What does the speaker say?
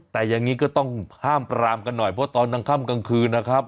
แต่อย่างนี้ก็ต้องห้ามปรามกันหน่อยเพราะตอนกลางค่ำกลางคืนนะครับ